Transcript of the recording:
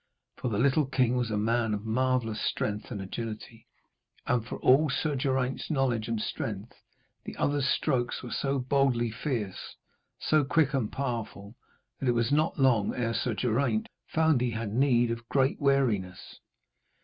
For the little king was a man of marvellous strength and agility, and for all Sir Geraint's knowledge and strength, the other's strokes were so boldly fierce, so quick and powerful, that it was not long ere Sir Geraint found he had need of great wariness.